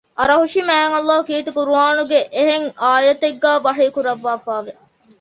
އަރަހުށިމާތްﷲ ކީރިތި ޤުރްއާނުގެ އެހެން އާޔަތެއްގައި ވަޙީކުރައްވައިފައިވެ